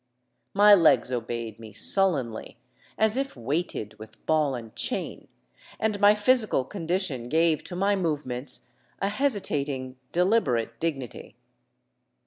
My legs obeyed me sul lenly, as if weighted with ball and chain, and my physical condition gave to my movements a hesitating, deliberate dignity.